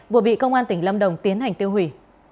vừa bị công an tỉnh lâm đồng tiến hành tiêu hủy